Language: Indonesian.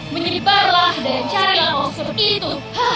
menyebarlah dan carilah monster itu